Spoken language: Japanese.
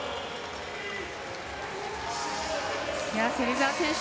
芹澤選手